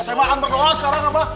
saya mah anber doa sekarang apa